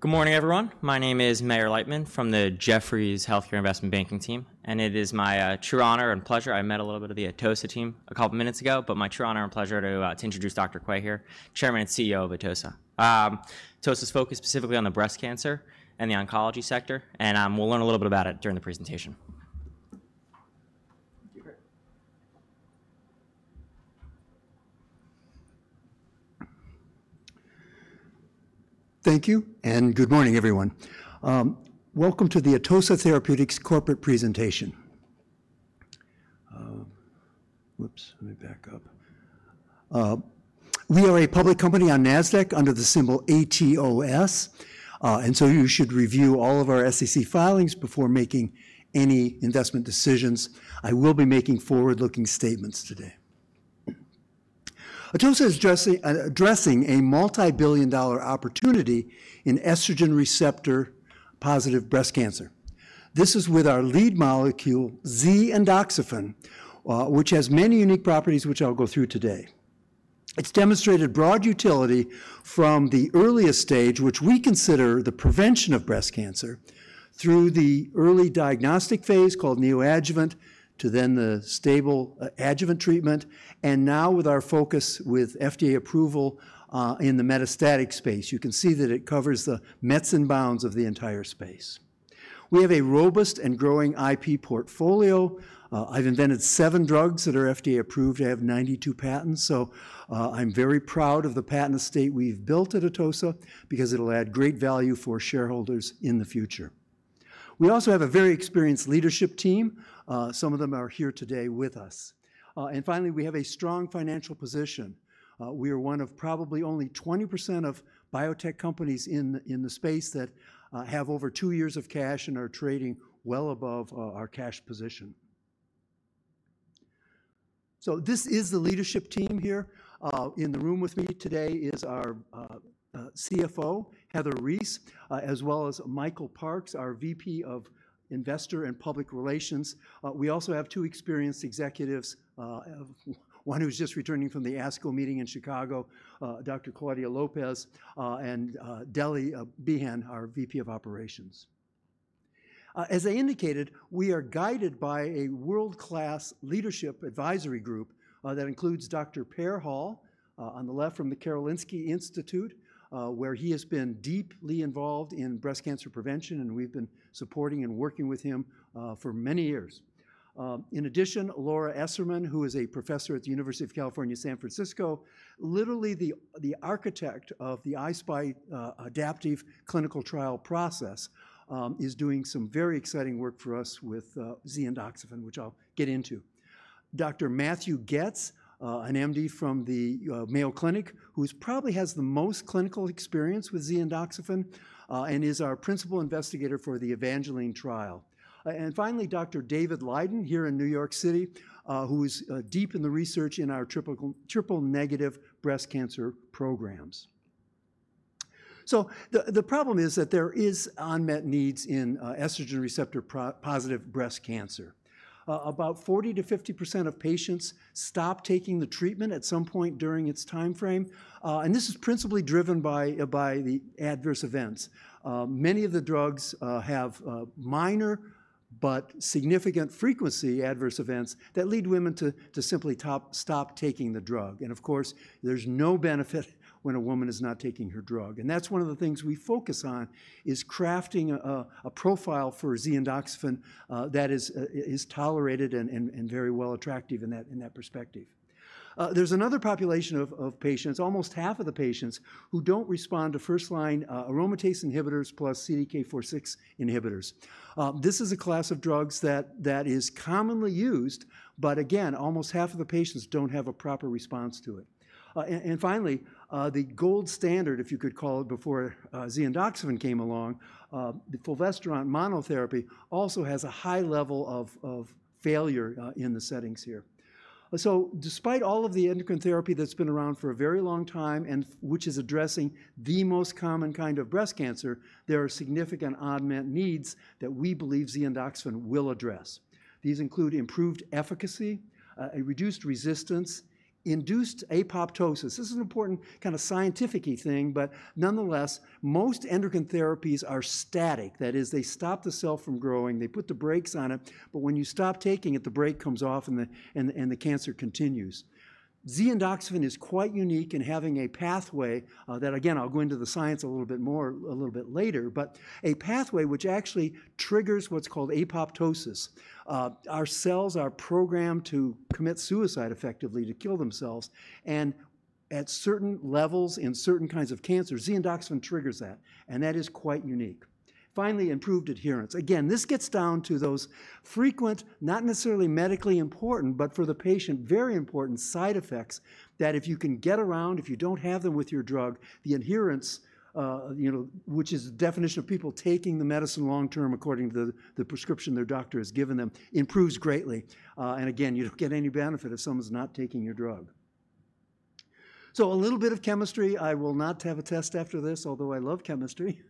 Good morning, everyone. My name is Meir Lightman from the Jefferies Healthcare Investment Banking team. It is my true honor and pleasure, I met a little bit of the Atossa team a couple of minutes ago, but my true honor and pleasure to introduce Dr. Quay here, Chairman and CEO of Atossa. Atossa's focus specifically on the breast cancer and the oncology sector. We will learn a little bit about it during the presentation. Thank you. And good morning, everyone. Welcome to the Atossa Therapeutics Corporate presentation. Whoops, let me back up. We are a public company on NASDAQ under the symbol ATOS. And so you should review all of our SEC filings before making any investment decisions. I will be making forward-looking statements today. Atossa is addressing a multi-billion dollar opportunity in estrogen receptor-positive breast cancer. This is with our lead molecule, (Z)-endoxifen, which has many unique properties, which I'll go through today. It's demonstrated broad utility from the earliest stage, which we consider the prevention of breast cancer, through the early diagnostic phase called neoadjuvant to then the stable adjuvant treatment. And now with our focus with FDA approval in the metastatic space, you can see that it covers the mets and bounds of the entire space. We have a robust and growing IP portfolio. I've invented seven drugs that are FDA-approved. I have 92 patents. I'm very proud of the patent estate we've built at Atossa because it'll add great value for shareholders in the future. We also have a very experienced leadership team. Some of them are here today with us. Finally, we have a strong financial position. We are one of probably only 20% of biotech companies in the space that have over two years of cash and are trading well above our cash position. This is the leadership team here. In the room with me today is our CFO, Heather Reese, as well as Michael Parks, our VP of Investor and Public Relations. We also have two experienced executives, one who's just returning from the ASCO meeting in Chicago, Dr. Claudia Lopez, and Delly Behen, our VP of Operations. As I indicated, we are guided by a world-class leadership advisory group that includes Dr. Per Hall on the left from the Karolinska Institutet, where he has been deeply involved in breast cancer prevention. We've been supporting and working with him for many years. In addition, Laura Esserman, who is a professor at the University of California, San Francisco, literally the architect of the iSPY adaptive clinical trial process, is doing some very exciting work for us with (Z)-endoxifen, which I'll get into. Dr. Matthew Getz, an MD from the Mayo Clinic, who probably has the most clinical experience with (Z)-endoxifen and is our principal investigator for the Evangeline trial. Finally, Dr. David Lyden here in New York City, who is deep in the research in our triple-negative breast cancer programs. The problem is that there are unmet needs in estrogen receptor-positive breast cancer. About 40%-50% of patients stop taking the treatment at some point during its timeframe. This is principally driven by the adverse events. Many of the drugs have minor but significant frequency adverse events that lead women to simply stop taking the drug. Of course, there's no benefit when a woman is not taking her drug. That's one of the things we focus on, is crafting a profile for (Z)-endoxifen that is tolerated and very well attractive in that perspective. There's another population of patients, almost half of the patients, who don't respond to first-line aromatase inhibitors plus CDK4/6 inhibitors. This is a class of drugs that is commonly used, but again, almost half of the patients don't have a proper response to it. Finally, the gold standard, if you could call it, before (Z)-endoxifen came along, the fulvestrant monotherapy also has a high level of failure in the settings here. Despite all of the endocrine therapy that's been around for a very long time, and which is addressing the most common kind of breast cancer, there are significant unmet needs that we believe (Z)-endoxifen will address. These include improved efficacy, a reduced resistance, induced apoptosis. This is an important kind of scientificy thing, but nonetheless, most endocrine therapies are static. That is, they stop the cell from growing. They put the brakes on it. When you stop taking it, the brake comes off and the cancer continues. (Z)-endoxifen is quite unique in having a pathway that, again, I'll go into the science a little bit more, a little bit later, but a pathway which actually triggers what's called apoptosis. Our cells are programmed to commit suicide effectively to kill themselves. At certain levels in certain kinds of cancer, (Z)-endoxifen triggers that. That is quite unique. Finally, improved adherence. Again, this gets down to those frequent, not necessarily medically important, but for the patient, very important side effects that if you can get around, if you do not have them with your drug, the adherence, which is the definition of people taking the medicine long term according to the prescription their doctor has given them, improves greatly. You do not get any benefit if someone is not taking your drug. A little bit of chemistry, I will not have a test after this, although I love chemistry.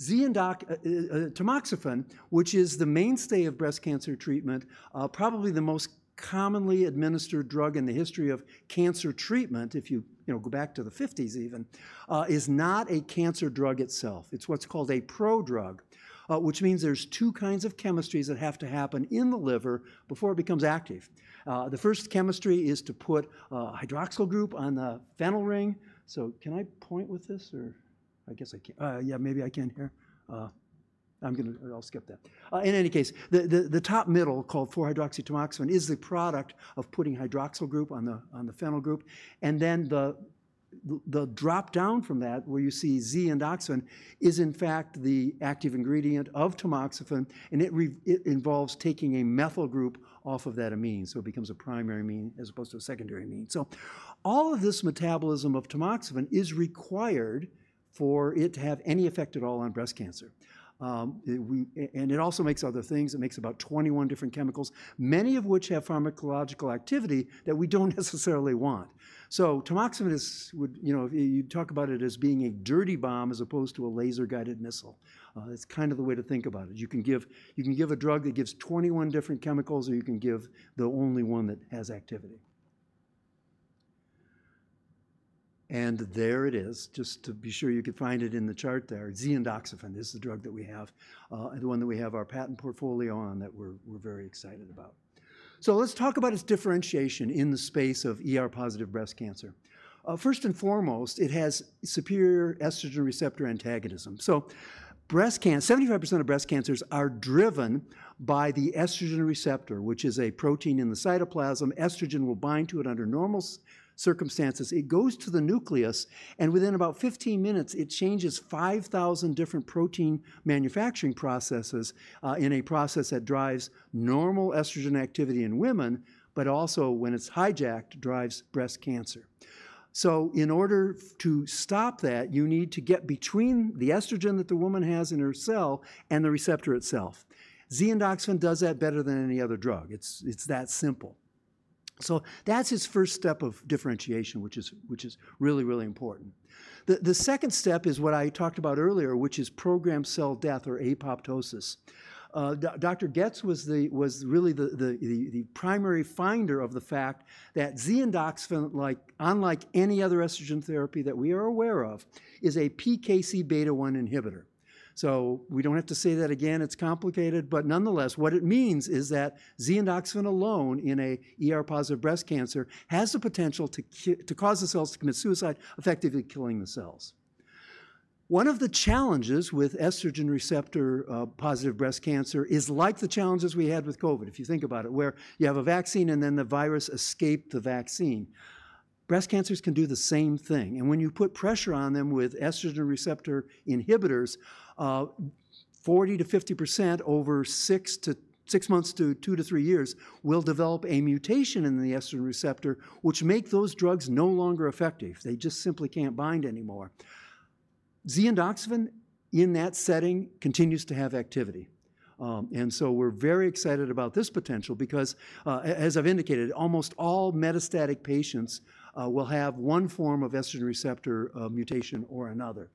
Tamoxifen, which is the mainstay of breast cancer treatment, probably the most commonly administered drug in the history of cancer treatment, if you go back to the 1950s even, is not a cancer drug itself. It's what's called a prodrug, which means there's two kinds of chemistries that have to happen in the liver before it becomes active. The first chemistry is to put a hydroxyl group on the phenyl ring. So can I point with this or I guess I can't. Yeah, maybe I can here. I'll skip that. In any case, the top middle called 4-hydroxytamoxifen is the product of putting hydroxyl group on the phenyl group. And then the drop-down from that, where you see (Z)-endoxifen, is in fact the active ingredient of tamoxifen. And it involves taking a methyl group off of that amine. It becomes a primary amine as opposed to a secondary amine. All of this metabolism of tamoxifen is required for it to have any effect at all on breast cancer. It also makes other things. It makes about 21 different chemicals, many of which have pharmacological activity that we do not necessarily want. Tamoxifen is, you talk about it as being a dirty bomb as opposed to a laser-guided missile. That is kind of the way to think about it. You can give a drug that gives 21 different chemicals, or you can give the only one that has activity. There it is. Just to be sure you could find it in the chart there. (Z)-endoxifen is the drug that we have, the one that we have our patent portfolio on that we are very excited about. Let's talk about its differentiation in the space of ER-positive breast cancer. First and foremost, it has superior estrogen receptor antagonism. 75% of breast cancers are driven by the estrogen receptor, which is a protein in the cytoplasm. Estrogen will bind to it under normal circumstances. It goes to the nucleus. Within about 15 minutes, it changes 5,000 different protein manufacturing processes in a process that drives normal estrogen activity in women, but also when it's hijacked, drives breast cancer. In order to stop that, you need to get between the estrogen that the woman has in her cell and the receptor itself. (Z)-endoxifen does that better than any other drug. It's that simple. That's its first step of differentiation, which is really, really important. The second step is what I talked about earlier, which is programmed cell death or apoptosis. Dr. Getz was really the primary finder of the fact that (Z)-endoxifen, unlike any other estrogen therapy that we are aware of, is a PKC beta-1 inhibitor. We do not have to say that again. It is complicated. Nonetheless, what it means is that (Z)-endoxifen alone in an ER-positive breast cancer has the potential to cause the cells to commit suicide, effectively killing the cells. One of the challenges with estrogen receptor-positive breast cancer is like the challenges we had with COVID, if you think about it, where you have a vaccine and then the virus escaped the vaccine. Breast cancers can do the same thing. When you put pressure on them with estrogen receptor inhibitors, 40%-50% over six months to two to three years will develop a mutation in the estrogen receptor, which makes those drugs no longer effective. They just simply cannot bind anymore. (Z)-endoxifen in that setting continues to have activity. We are very excited about this potential because, as I've indicated, almost all metastatic patients will have one form of estrogen receptor mutation or another.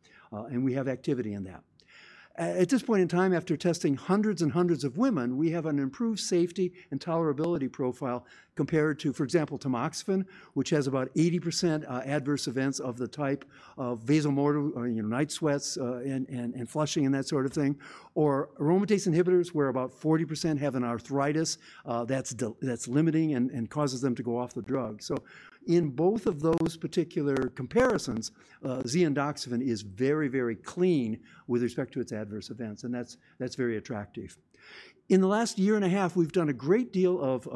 We have activity in that. At this point in time, after testing hundreds and hundreds of women, we have an improved safety and tolerability profile compared to, for example, tamoxifen, which has about 80% adverse events of the type of vasomotor, night sweats, and flushing and that sort of thing, or aromatase inhibitors, where about 40% have an arthritis that's limiting and causes them to go off the drug. In both of those particular comparisons, (Z)-endoxifen is very, very clean with respect to its adverse events. That is very attractive. In the last year and a half, we've done a great deal of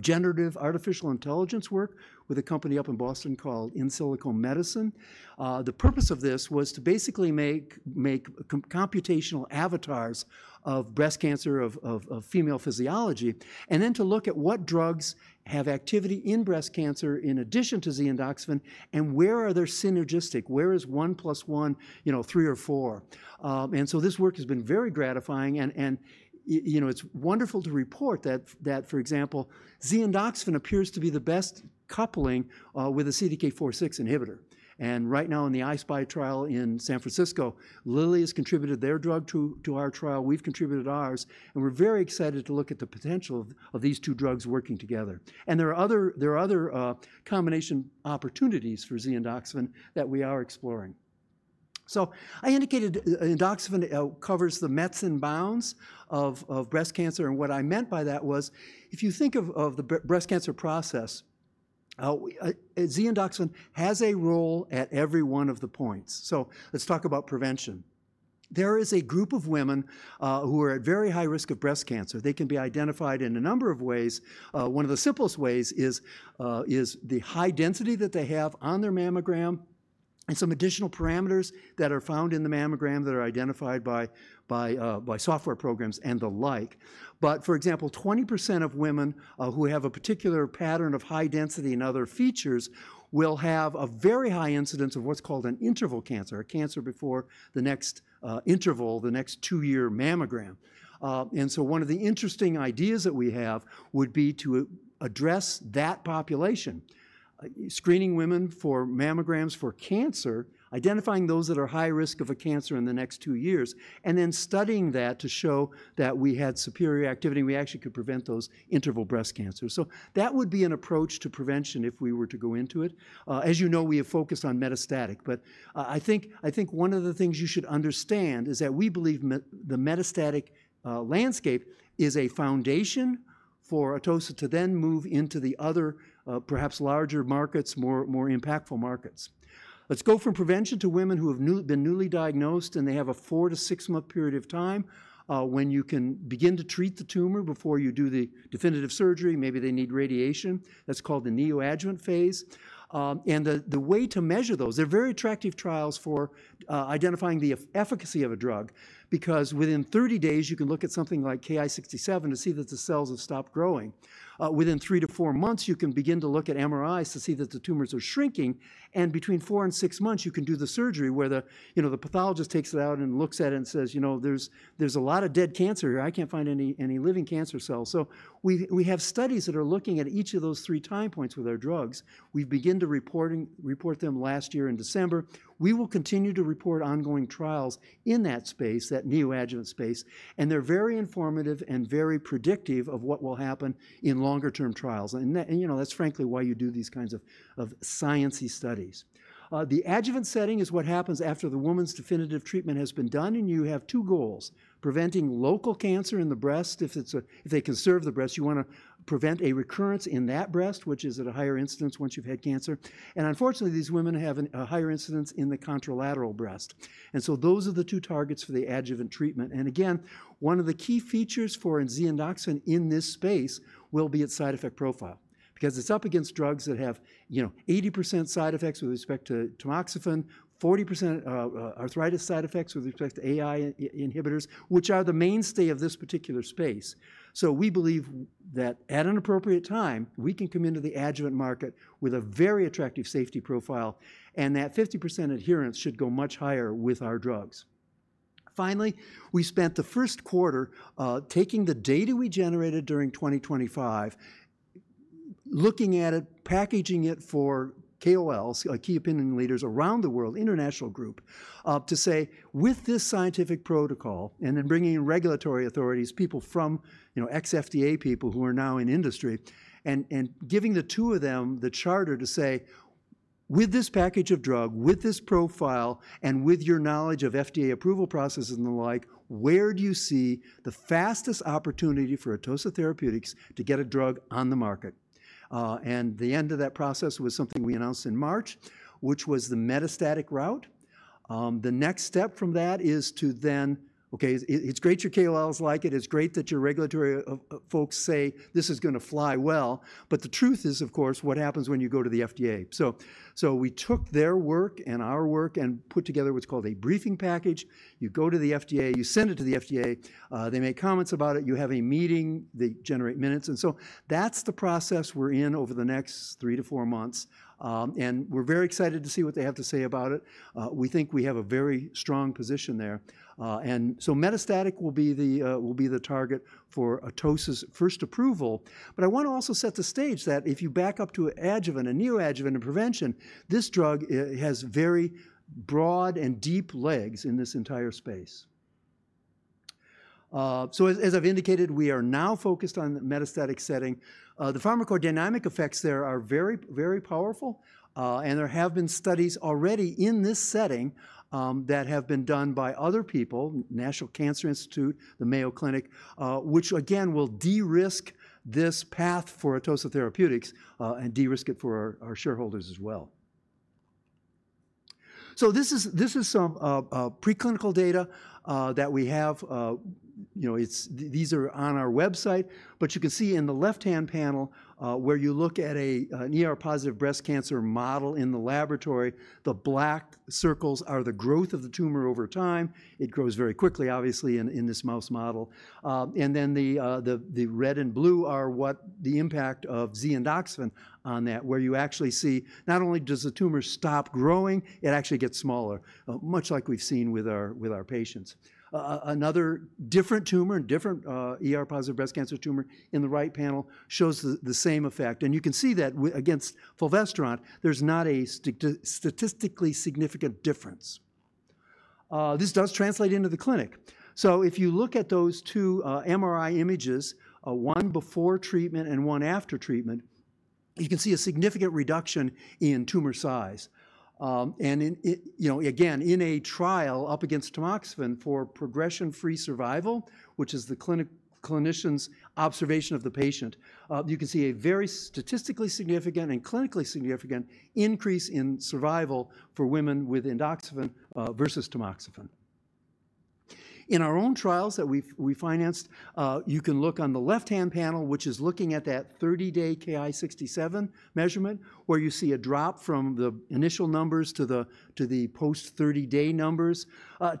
generative artificial intelligence work with a company up in Boston called Insilico Medicine. The purpose of this was to basically make computational avatars of breast cancer, of female physiology, and then to look at what drugs have activity in breast cancer in addition to (Z)-endoxifen and where are they synergistic. Where is one plus one, three or four? This work has been very gratifying. It is wonderful to report that, for example, (Z)-endoxifen appears to be the best coupling with a CDK4/6 inhibitor. Right now in the iSPY trial in San Francisco, Lilly has contributed their drug to our trial. We've contributed ours. We are very excited to look at the potential of these two drugs working together. There are other combination opportunities for (Z)-endoxifen that we are exploring. I indicated endoxifen covers the mets and bounds of breast cancer. What I meant by that was if you think of the breast cancer process, (Z)-endoxifen has a role at every one of the points. Let's talk about prevention. There is a group of women who are at very high risk of breast cancer. They can be identified in a number of ways. One of the simplest ways is the high density that they have on their mammogram and some additional parameters that are found in the mammogram that are identified by software programs and the like. For example, 20% of women who have a particular pattern of high density and other features will have a very high incidence of what's called an interval cancer, a cancer before the next interval, the next two-year mammogram. One of the interesting ideas that we have would be to address that population, screening women for mammograms for cancer, identifying those that are high risk of a cancer in the next two years, and then studying that to show that we had superior activity and we actually could prevent those interval breast cancers. That would be an approach to prevention if we were to go into it. As you know, we have focused on metastatic. I think one of the things you should understand is that we believe the metastatic landscape is a foundation for Atossa to then move into the other perhaps larger markets, more impactful markets. Let's go from prevention to women who have been newly diagnosed and they have a four- to six-month period of time when you can begin to treat the tumor before you do the definitive surgery. Maybe they need radiation. That's called the neoadjuvant phase. The way to measure those, they're very attractive trials for identifying the efficacy of a drug because within 30 days, you can look at something like KI67 to see that the cells have stopped growing. Within three to four months, you can begin to look at MRIs to see that the tumors are shrinking. Between four and six months, you can do the surgery where the pathologist takes it out and looks at it and says, "There's a lot of dead cancer here. I can't find any living cancer cells." We have studies that are looking at each of those three time points with our drugs. We've begun to report them last year in December. We will continue to report ongoing trials in that space, that neoadjuvant space. They're very informative and very predictive of what will happen in longer-term trials. That's frankly why you do these kinds of sciencey studies. The adjuvant setting is what happens after the woman's definitive treatment has been done. You have two goals: preventing local cancer in the breast. If they conserve the breast, you want to prevent a recurrence in that breast, which is at a higher incidence once you've had cancer. Unfortunately, these women have a higher incidence in the contralateral breast. Those are the two targets for the adjuvant treatment. Again, one of the key features for (Z)-endoxifen in this space will be its side effect profile because it's up against drugs that have 80% side effects with respect to tamoxifen, 40% arthritis side effects with respect to AI inhibitors, which are the mainstay of this particular space. We believe that at an appropriate time, we can come into the adjuvant market with a very attractive safety profile. That 50% adherence should go much higher with our drugs. Finally, we spent the first quarter taking the data we generated during 2025, looking at it, packaging it for KOLs, key opinion leaders around the world, international group, to say, "With this scientific protocol and then bringing in regulatory authorities, people from ex-FDA people who are now in industry, and giving the two of them the charter to say, 'With this package of drug, with this profile, and with your knowledge of FDA approval processes and the like, where do you see the fastest opportunity for Atossa Therapeutics to get a drug on the market?'" The end of that process was something we announced in March, which was the metastatic route. The next step from that is to then, "Okay, it's great your KOLs like it. It's great that your regulatory folks say this is going to fly well." The truth is, of course, what happens when you go to the FDA? We took their work and our work and put together what's called a briefing package. You go to the FDA, you send it to the FDA, they make comments about it, you have a meeting, they generate minutes. That is the process we're in over the next three to four months. We're very excited to see what they have to say about it. We think we have a very strong position there. Metastatic will be the target for ATOS's first approval. I want to also set the stage that if you back up to adjuvant and neoadjuvant and prevention, this drug has very broad and deep legs in this entire space. As I've indicated, we are now focused on the metastatic setting. The pharmacodynamic effects there are very, very powerful. There have been studies already in this setting that have been done by other people, National Cancer Institute, the Mayo Clinic, which again will de-risk this path for Atossa Therapeutics and de-risk it for our shareholders as well. This is some preclinical data that we have. These are on our website. You can see in the left-hand panel where you look at an ER-positive breast cancer model in the laboratory, the black circles are the growth of the tumor over time. It grows very quickly, obviously, in this mouse model. The red and blue are what the impact of (Z)-endoxifen on that, where you actually see not only does the tumor stop growing, it actually gets smaller, much like we've seen with our patients. Another different tumor, a different ER-positive breast cancer tumor in the right panel shows the same effect. You can see that against fulvestrant, there's not a statistically significant difference. This does translate into the clinic. If you look at those two MRI images, one before treatment and one after treatment, you can see a significant reduction in tumor size. Again, in a trial up against tamoxifen for progression-free survival, which is the clinician's observation of the patient, you can see a very statistically significant and clinically significant increase in survival for women with (Z)-endoxifen versus tamoxifen. In our own trials that we financed, you can look on the left-hand panel, which is looking at that 30-day KI67 measurement, where you see a drop from the initial numbers to the post-30-day numbers.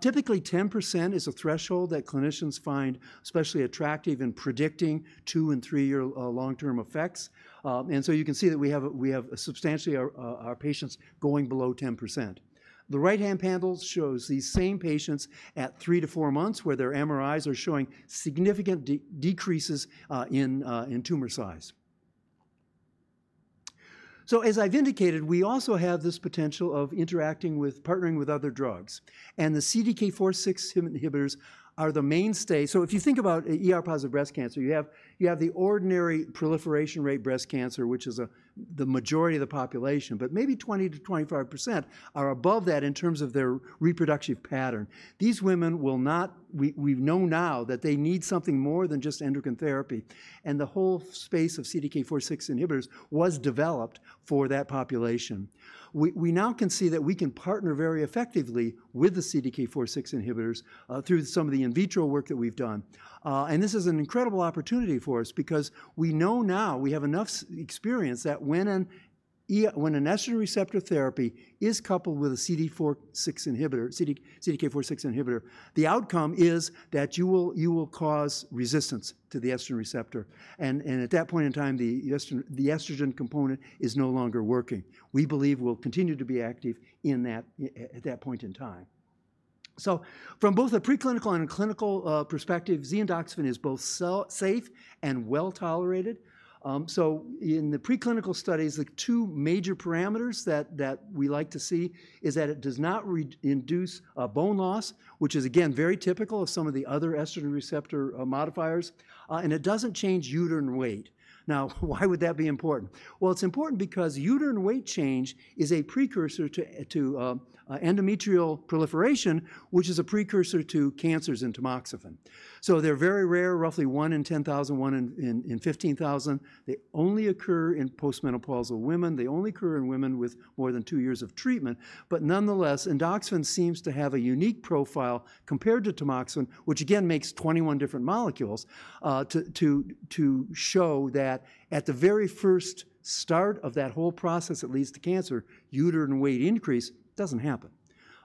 Typically, 10% is a threshold that clinicians find especially attractive in predicting two and three-year long-term effects. You can see that we have substantially our patients going below 10%. The right-hand panel shows these same patients at three to four months where their MRIs are showing significant decreases in tumor size. As I've indicated, we also have this potential of interacting with partnering with other drugs. The CDK4/6 inhibitors are the mainstay. If you think about ER-positive breast cancer, you have the ordinary proliferation rate breast cancer, which is the majority of the population. Maybe 20%-25% are above that in terms of their reproductive pattern. These women will not—we know now that they need something more than just endocrine therapy. The whole space of CDK4/6 inhibitors was developed for that population. We now can see that we can partner very effectively with the CDK4/6 inhibitors through some of the in vitro work that we've done. This is an incredible opportunity for us because we know now we have enough experience that when an estrogen receptor therapy is coupled with a CDK4/6 inhibitor, the outcome is that you will cause resistance to the estrogen receptor. At that point in time, the estrogen component is no longer working. We believe we'll continue to be active at that point in time. From both a preclinical and a clinical perspective, (Z)-endoxifen is both safe and well-tolerated. In the preclinical studies, the two major parameters that we like to see are that it does not induce bone loss, which is, again, very typical of some of the other estrogen receptor modifiers. It does not change uterine weight. Now, why would that be important? It is important because uterine weight change is a precursor to endometrial proliferation, which is a precursor to cancers in tamoxifen. They are very rare, roughly one in 10,000, one in 15,000. They only occur in postmenopausal women. They only occur in women with more than two years of treatment. Nonetheless, endoxifen seems to have a unique profile compared to tamoxifen, which again makes 21 different molecules to show that at the very first start of that whole process that leads to cancer, uterine weight increase does not happen.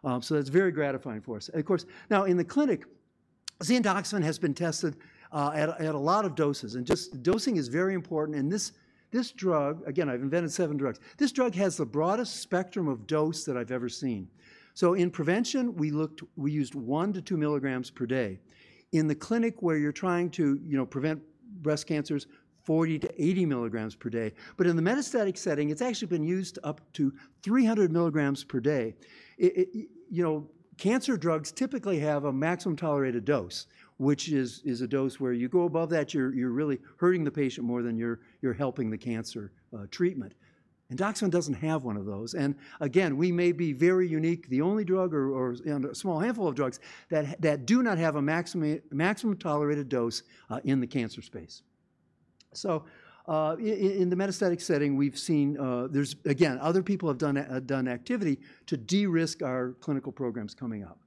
That is very gratifying for us. Of course, now in the clinic, (Z)-endoxifen has been tested at a lot of doses. Just the dosing is very important. This drug, again, I've invented seven drugs. This drug has the broadest spectrum of dose that I've ever seen. In prevention, we used one to two milligrams per day. In the clinic where you're trying to prevent breast cancers, 40-80 milligrams per day. In the metastatic setting, it's actually been used up to 300 milligrams per day. Cancer drugs typically have a maximum tolerated dose, which is a dose where you go above that, you're really hurting the patient more than you're helping the cancer treatment. Endoxifen doesn't have one of those. We may be very unique, the only drug or a small handful of drugs that do not have a maximum tolerated dose in the cancer space. In the metastatic setting, we've seen there's, again, other people have done activity to de-risk our clinical programs coming up.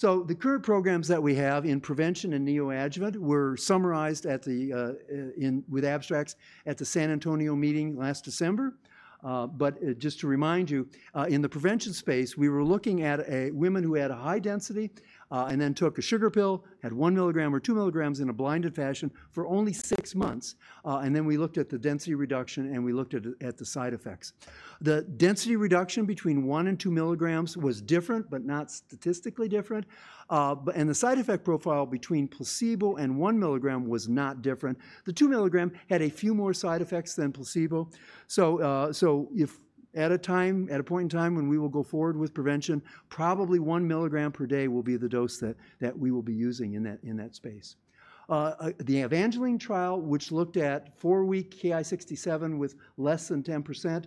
The current programs that we have in prevention and neoadjuvant were summarized with abstracts at the San Antonio meeting last December. Just to remind you, in the prevention space, we were looking at women who had a high density and then took a sugar pill, had one milligram or two milligrams in a blinded fashion for only six months. We looked at the density reduction and we looked at the side effects. The density reduction between one and two milligrams was different, but not statistically different. The side effect profile between placebo and one milligram was not different. The two milligram had a few more side effects than placebo. At a point in time when we will go forward with prevention, probably 1 milligram per day will be the dose that we will be using in that space. The Evangeline trial, which looked at four-week KI67 with less than 10%,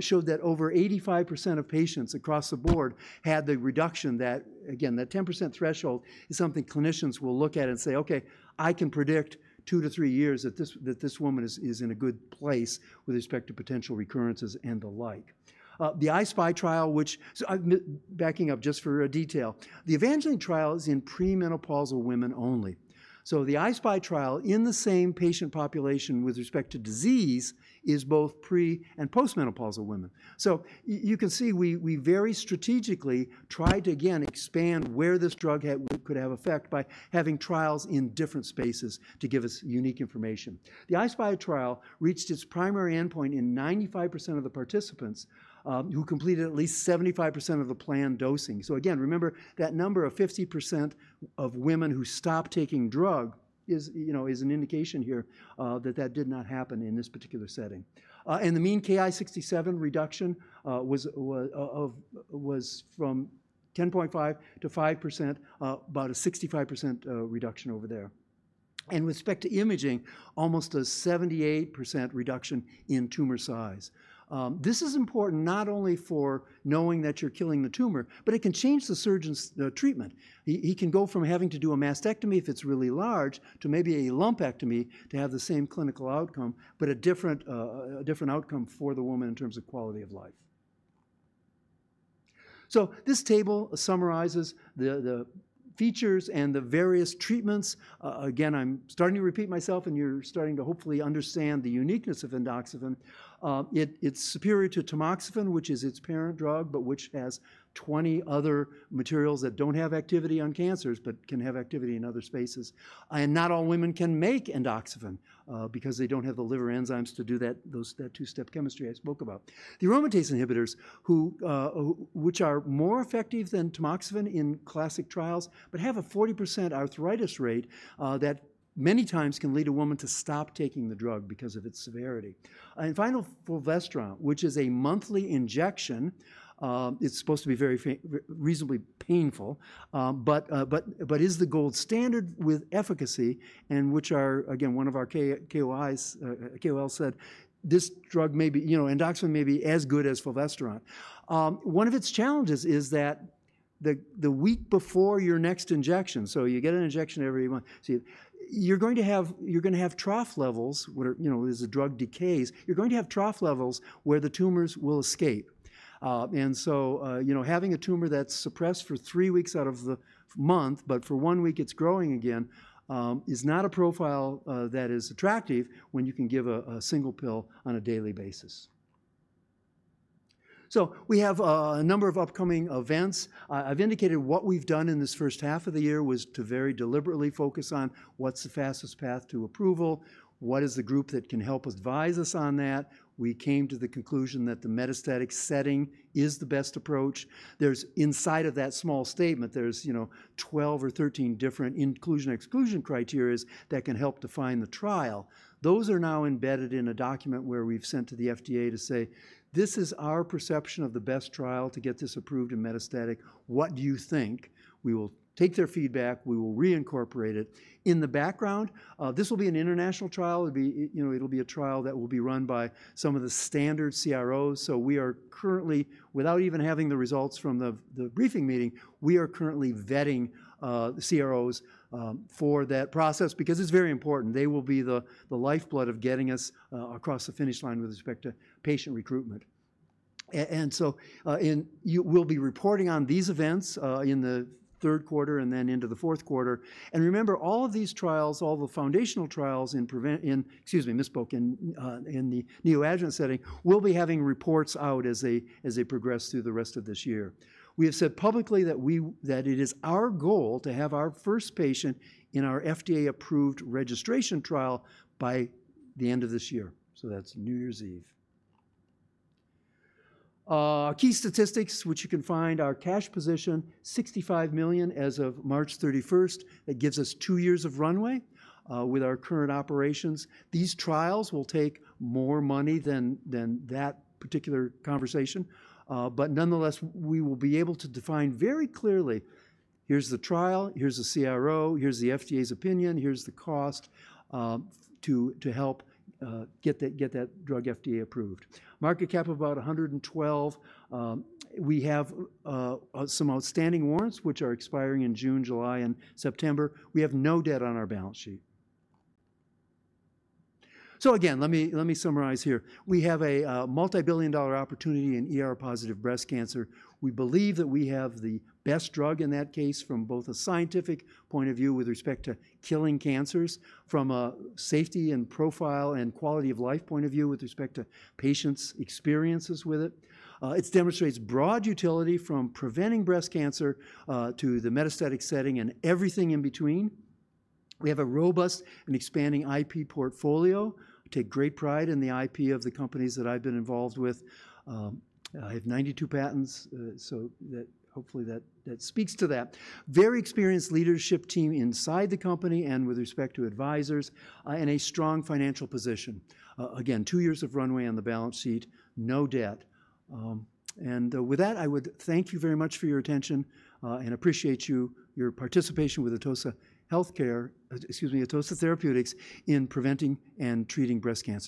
showed that over 85% of patients across the board had the reduction that, again, that 10% threshold is something clinicians will look at and say, "Okay, I can predict two to three years that this woman is in a good place with respect to potential recurrences and the like." The iSPY trial, which, backing up just for a detail, the Evangeline trial is in premenopausal women only. The iSPY trial in the same patient population with respect to disease is both pre and postmenopausal women. You can see we very strategically tried to, again, expand where this drug could have effect by having trials in different spaces to give us unique information. The iSPY trial reached its primary endpoint in 95% of the participants who completed at least 75% of the planned dosing. Again, remember that number of 50% of women who stopped taking drug is an indication here that that did not happen in this particular setting. The mean KI67 reduction was from 10.5%-5%, about a 65% reduction over there. With respect to imaging, almost a 78% reduction in tumor size. This is important not only for knowing that you're killing the tumor, but it can change the surgeon's treatment. He can go from having to do a mastectomy if it's really large to maybe a lumpectomy to have the same clinical outcome, but a different outcome for the woman in terms of quality of life. This table summarizes the features and the various treatments. Again, I'm starting to repeat myself, and you're starting to hopefully understand the uniqueness of endoxifen. It's superior to tamoxifen, which is its parent drug, but which has 20 other materials that don't have activity on cancers, but can have activity in other spaces. Not all women can make endoxifen because they don't have the liver enzymes to do that two-step chemistry I spoke about. The aromatase inhibitors, which are more effective than tamoxifen in classic trials, but have a 40% arthritis rate that many times can lead a woman to stop taking the drug because of its severity. Final, fulvestrant, which is a monthly injection, it's supposed to be very reasonably painful, but is the gold standard with efficacy and which are, again, one of our KOLs said this drug may be endoxifen may be as good as fulvestrant. One of its challenges is that the week before your next injection, so you get an injection every month, you're going to have trough levels where as the drug decays, you're going to have trough levels where the tumors will escape. Having a tumor that's suppressed for three weeks out of the month, but for one week it's growing again is not a profile that is attractive when you can give a single pill on a daily basis. We have a number of upcoming events. I've indicated what we've done in this first half of the year was to very deliberately focus on what's the fastest path to approval, what is the group that can help advise us on that. We came to the conclusion that the metastatic setting is the best approach. Inside of that small statement, there's 12 or 13 different inclusion/exclusion criteria that can help define the trial. Those are now embedded in a document where we've sent to the FDA to say, "This is our perception of the best trial to get this approved in metastatic. What do you think?" We will take their feedback. We will reincorporate it. In the background, this will be an international trial. It'll be a trial that will be run by some of the standard CROs. We are currently, without even having the results from the briefing meeting, currently vetting CROs for that process because it's very important. They will be the lifeblood of getting us across the finish line with respect to patient recruitment. We will be reporting on these events in the third quarter and then into the fourth quarter. Remember, all of these trials, all the foundational trials in, excuse me, misspoke, in the neoadjuvant setting, will be having reports out as they progress through the rest of this year. We have said publicly that it is our goal to have our first patient in our FDA-approved registration trial by the end of this year. That is New Year's Eve. Key statistics which you can find: our cash position, $65 million as of March 31st. That gives us two years of runway with our current operations. These trials will take more money than that particular conversation. Nonetheless, we will be able to define very clearly, here's the trial, here's the CRO, here's the FDA's opinion, here's the cost to help get that drug FDA approved. Market cap about $112 million. We have some outstanding warrants which are expiring in June, July, and September. We have no debt on our balance sheet. Again, let me summarize here. We have a multi-billion-dollar opportunity in ER-positive breast cancer. We believe that we have the best drug in that case from both a scientific point of view with respect to killing cancers, from a safety and profile and quality of life point of view with respect to patients' experiences with it. It demonstrates broad utility from preventing breast cancer to the metastatic setting and everything in between. We have a robust and expanding IP portfolio. I take great pride in the IP of the companies that I've been involved with. I have 92 patents. So hopefully that speaks to that. Very experienced leadership team inside the company and with respect to advisors and a strong financial position. Again, two years of runway on the balance sheet, no debt. With that, I would thank you very much for your attention and appreciate your participation with Atossa Therapeutics in preventing and treating breast cancer.